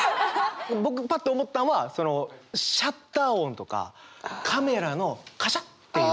僕パッて思ったんはそのシャッター音とかカメラのカシャっていう。